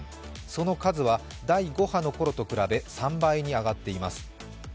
その数は第５波のころと比べ、３倍に上がっています。